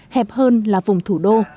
hẹp hơn là vùng thủ đô